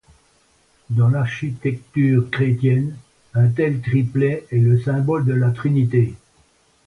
Dans l'architecture chrétienne, un tel triplet est le symbole de la Trinité.